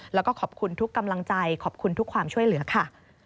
แล้วก็ขอบคุณทุกกำลังใจขอบคุณทุกความช่วยเหลือค่ะ